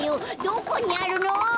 どこにあるの？